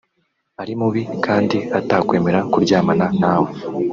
ari mubi kandi atakwemera kuryamana nawe